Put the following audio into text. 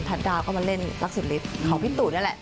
ทัดดาวก็มาเล่นลักษณ์ลิฟท์ของพี่ตูนั่นแหละ